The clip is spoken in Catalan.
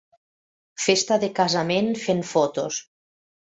Festa de casament fent fotos.